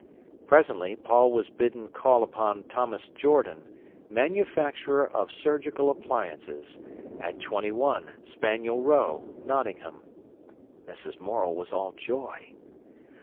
Presently, Paul was bidden call upon Thomas Jordan, Manufacturer of Surgical Appliances, at 21, Spaniel Row, Nottingham. Mrs. Morel was all joy.